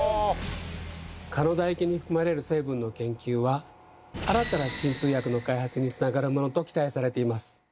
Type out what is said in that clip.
蚊の唾液に含まれる成分の研究は新たな鎮痛薬の開発につながるものと期待されています。